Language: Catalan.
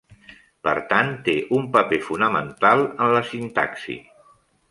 Per tant, té un paper fonamental en la sintaxi.